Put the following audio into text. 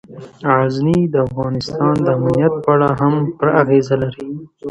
غزني د افغانستان د امنیت په اړه هم پوره اغېز لري.